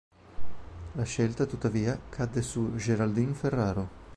La scelta tuttavia cadde su Geraldine Ferraro.